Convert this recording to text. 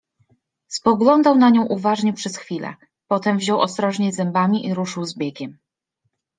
Spoglądał na nią uważnie przez chwilę, potem wziął ostrożnie zębami i ruszył z biegiem